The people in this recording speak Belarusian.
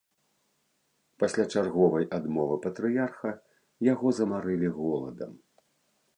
Пасля чарговай адмовы патрыярха, яго замарылі голадам.